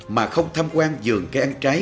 mà không tham quan giường cây ăn trái